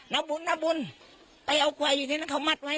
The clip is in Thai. เอาบุญเอาบุญไปเอากลวยอยู่ที่นั้นเขามัดไว้